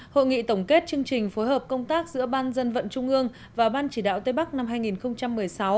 hội nghị tổng kết chương trình phối hợp công tác giữa ban dân vận trung ương và ban chỉ đạo tây bắc năm hai nghìn một mươi sáu